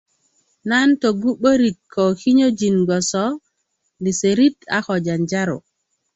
nan togu 'börik ko kinyöjin bgoso liserit a ko janjaro